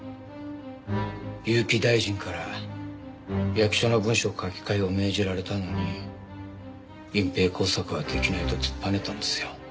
結城大臣から役所の文書書き換えを命じられたのに隠蔽工作はできないと突っぱねたんですよ。